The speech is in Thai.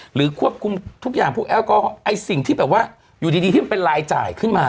ควบคุมทุกอย่างพวกแอลกอฮอลไอ้สิ่งที่แบบว่าอยู่ดีที่มันเป็นรายจ่ายขึ้นมา